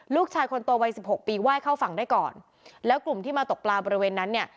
ลูกชายคนโตวัยสิบหกปีไหว้เข้าฝั่งได้ก่อนแล้วกลุ่มที่มาตกปลาบริเวณนั้นเนี่ย